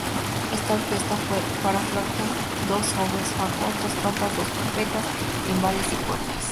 Está orquestada para flauta, dos oboes, fagot, dos trompas, dos trompetas, timbales y cuerdas.